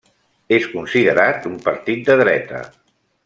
És considerat un partit de dreta.